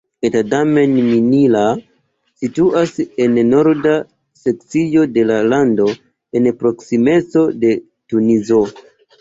Ettadhamen-Mnihla situas en norda sekcio de la lando en proksimeco de Tunizo.